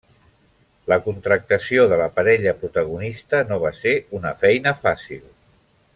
La contractació de la parella protagonista no va ser una feina fàcil.